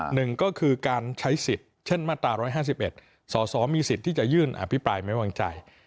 หนึ่งก็คือการใช้สิทธิ์เช่นมาตรา๑๕๑สสมีสิทธิ์ที่จะยื่นอภิปรายไม่วางใจ